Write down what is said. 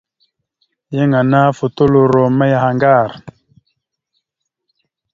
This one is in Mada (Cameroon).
Yan ana ofotoloro miyaŋgar.